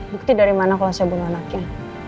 bukti dari mana kalau saya bung anaknya